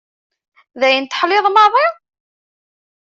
D ayen teḥliḍ maḍi?